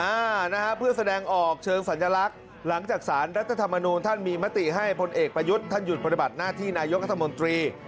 อ่านะฮะเพื่อแสดงออกเชิงสัญลักษณ์หลังจากสารรัฐธรรมนูลท่านมีมติให้พลเอกประยุทธ์ท่านหยุดปฏิบัติหน้าที่นายกรัฐมนตรี